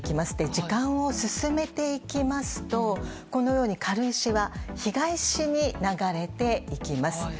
時間を進めていきますと、このように軽石は東に流れていきます。